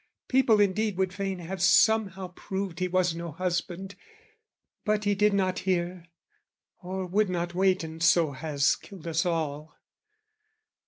People indeed would fain have somehow proved He was no husband: but he did not hear, Or would not wait and so has killed us all.